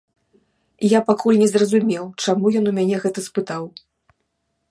Я пакуль не зразумеў, чаму ён у мяне гэта спытаў.